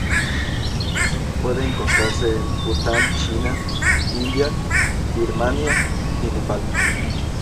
Puede encontrarse en Bután, China, India, Birmania y Nepal.